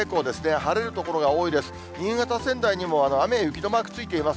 晴れる所が多いです。